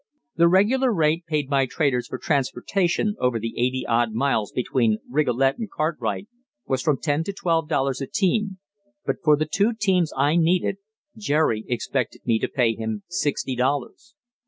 The regular rate paid by traders for transportation over the eighty odd miles between Rigolet and Cartwright was from ten to twelve dollars a team, but for the two teams I needed Jerry expected me to pay him sixty dollars.